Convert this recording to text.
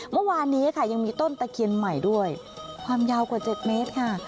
เมื่อวานนี้ค่ะยังมีต้นตะเคียนใหม่ด้วยความยาวกว่า๗เมตรค่ะ